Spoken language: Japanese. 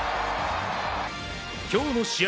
今日の試合